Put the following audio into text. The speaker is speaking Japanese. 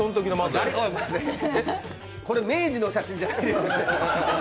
明治の写真じゃないです。